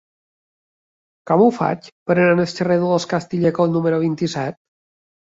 Com ho faig per anar al carrer de Los Castillejos número vint-i-set?